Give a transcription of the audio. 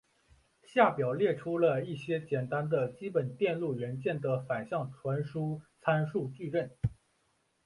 下表列出了一些简单的基本电路元件的反向传输参数矩阵。